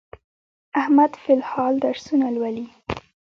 احمد فل الحال درسونه لولي.